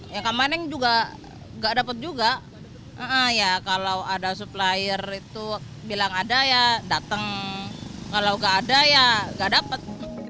yang kemarin juga gak dapet juga kalau ada supplier itu bilang ada ya dateng kalau gak ada ya gak dapet